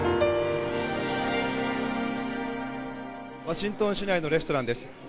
ワシントン市内のレストランです。